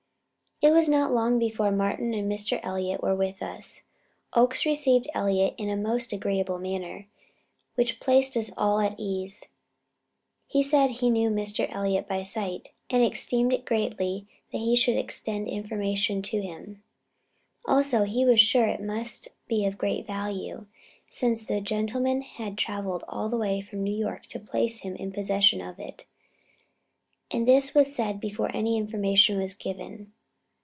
It was not long before Martin and Mr. Elliott were with us. Oakes received Elliott in a most agreeable manner, which placed us all at ease. He said he knew Mr. Elliott by sight, and esteemed it greatly that he should extend information to him. Also he was sure it must be of great value, since the gentleman had travelled all the way from New York to place him in possession of it. And this was said before any information was given.